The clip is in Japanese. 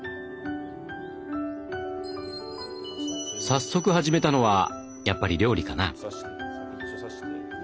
早速始めたのはやっぱり料理かな？